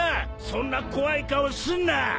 そんな怖い顔すんな！